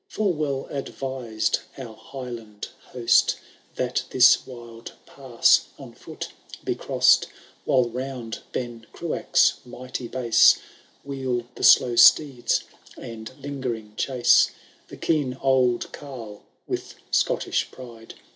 Full well advised our Highland host, That this wild pass on foot be crossed, WhUe round Ben Cruach^s mighty base Wheel the slow steeds and lingering chaise. The keen old carle, with Scottish pride.